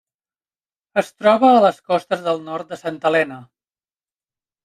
Es troba a les costes del nord de Santa Helena.